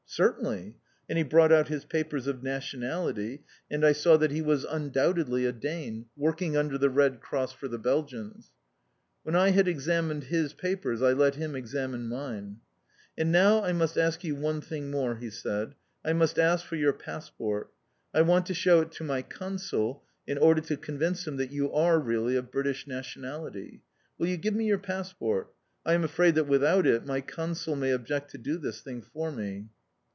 "Certainly!" And he brought out his papers of nationality and I saw that he was undoubtedly a Dane, working under the Red Cross for the Belgians. When I had examined his papers I let him examine mine. "And now I must ask you one thing more," he said. "I must ask for your passport. I want to shew it to my Consul, in order to convince him that you are really of British nationality. Will you give me your passport? I am afraid that without it my Consul may object to do this thing for me."